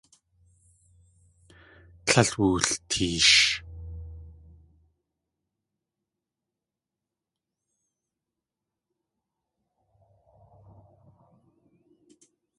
Tlél wulteesh.